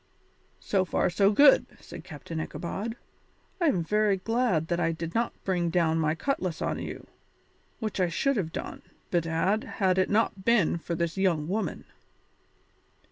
"So far so good," said Captain Ichabod. "I am very glad that I did not bring down my cutlass on you, which I should have done, bedad, had it not been for this young woman."